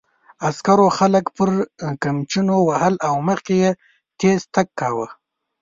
عسکرو خلک پر قمچینو وهل او مخکې یې تېز تګ کاوه.